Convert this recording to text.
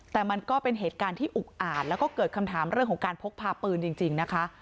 แต่มันก็เป็นเหตุการณ์ที่อุกอาจแล้วก็เกิดคำถามเรื่องของการพกพาปืนจริงนะคะ